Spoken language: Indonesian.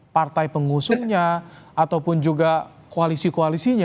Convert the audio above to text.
partai pengusungnya ataupun juga koalisi koalisinya